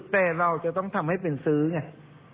แต่เราจะต้องทำให้เป็นซื้อไง